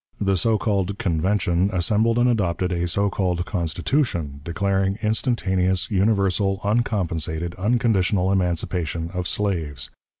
The so called Convention assembled and adopted a so called Constitution, declaring "instantaneous, universal, uncompensated, unconditional emancipation of slaves."